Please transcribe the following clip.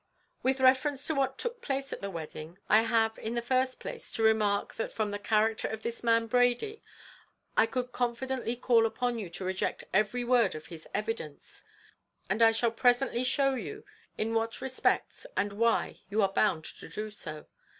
"With reference to what took place at the wedding, I have, in the first place, to remark that from the character of this man Brady, I could confidently call upon you to reject every word of his evidence; and I shall presently show you in what respects and why you are bound to do so.